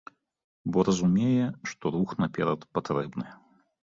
Бо разумее, што рух наперад патрэбны.